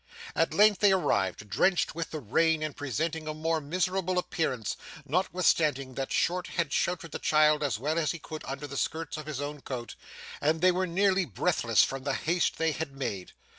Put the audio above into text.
At length they arrived, drenched with the rain and presenting a most miserable appearance, notwithstanding that Short had sheltered the child as well as he could under the skirts of his own coat, and they were nearly breathless from the haste they had made.